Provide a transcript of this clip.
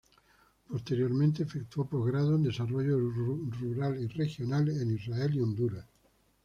Posteriormente, efectuó postgrados en "Desarrollo Rural y Regional", en Israel y Honduras.